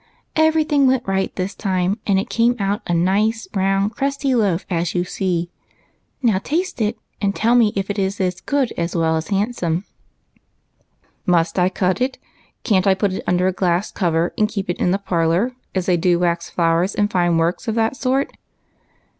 Every thing went right this time, and it came out a nice, round, crusty loaf, as you see. Now taste it, and tell me if it is good as well as hand Kome." BREAD AND BUTTON HOLES. 187 " Must I cut it ? Can't I put it under a glass cover and keep it in the parlor as tliey do wax flowers and fine w^orks of that sort